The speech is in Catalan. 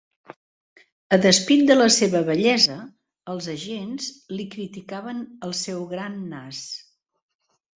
A despit de la seva bellesa, els agents li criticaven el seu gran nas.